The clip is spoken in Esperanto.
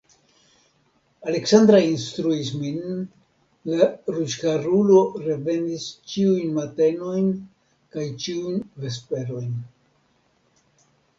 Aleksandra instruis min, la ruĝharulo revenis ĉiujn matenojn kaj ĉiujn vesperojn.